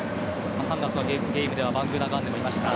３月のゲームではバングーナガンデがいました。